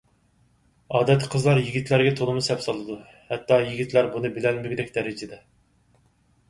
ئادەتتە قىزلار يىگىتلەرگە تولىمۇ سەپسالىدۇ. ھەتتا يىگىتلەر بۇنى بىلەلمىگۈدەك دەرىجىدە.